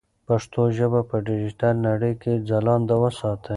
پښتو ژبه په ډیجیټل نړۍ کې ځلانده وساتئ.